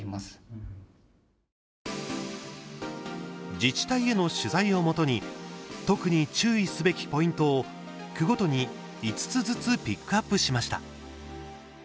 自治体への取材をもとに特に注意すべきポイントを区ごとに５つずつピックアップしました。